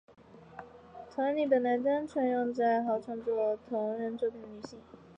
同人女本来单纯用来指爱好创作同人作品的女性。